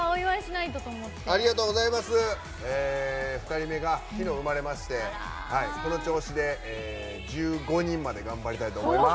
２人目が生まれましてこの調子で１５人まで頑張りたいと思います。